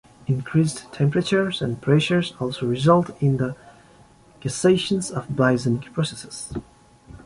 Increased temperature and pressure also result in the cessation of biogenic processes.